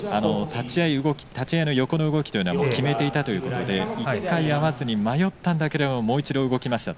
立ち合い、横の動きというのは決めていたということで１回合わずに迷ったんだけどももう一度動きました。